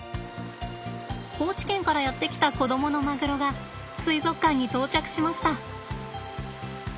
高知県からやって来た子どものマグロが水族館に到着しました。